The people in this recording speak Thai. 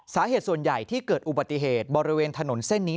สาเหตุส่วนใหญ่ที่เกิดอุบัติเหตุบริเวณถนนเส้นนี้